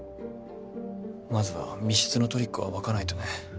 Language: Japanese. まずは密室のトリックを暴かないとね。